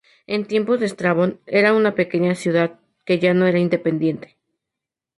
En tiempos de Estrabón era una pequeña ciudad que ya no era independiente.